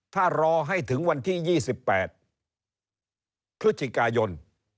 ถ้ารอให้ถึงวันที่๒๘พฤศจิกายน